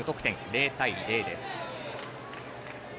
０対０です。